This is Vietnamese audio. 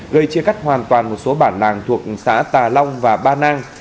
gây chia cắt hoàn toàn một số bản nàng thuộc xã tà long và ba nang